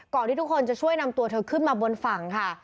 ที่ทุกคนจะช่วยนำตัวเธอขึ้นมาบนฝั่งค่ะ